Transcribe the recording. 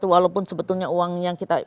walaupun sebetulnya uang yang kita